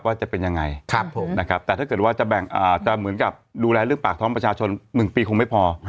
จะเป็นยังไงนะครับแต่ถ้าเกิดว่าจะเหมือนกับดูแลเรื่องปากท้องประชาชน๑ปีคงไม่พอ